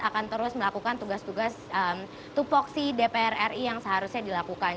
akan terus melakukan tugas tugas tupoksi dpr ri yang seharusnya dilakukan